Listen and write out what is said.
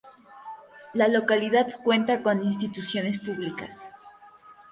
La localidad cuenta con instituciones públicas.